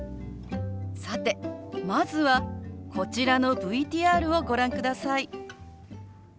さてまずはこちらのＶＴＲをご覧ください。